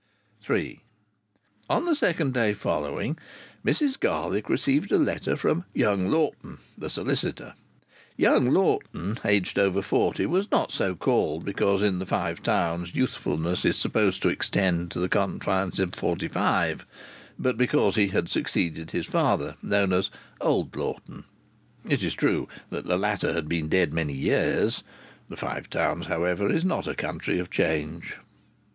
III On the second day following, Mrs Garlick received a letter from "young Lawton," the solicitor. Young Lawton, aged over forty, was not so called because in the Five Towns youthfulness is supposed to extend to the confines of forty five, but because he had succeeded his father, known as "old Lawton"; it is true that the latter had been dead many years. The Five Towns, however, is not a country of change.